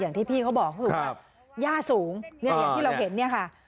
อย่างที่พี่เขาบอกคือย่าสูงเนี่ยอย่างที่เราเห็นเนี่ยค่ะ